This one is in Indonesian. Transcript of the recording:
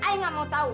ibu nggak mau tahu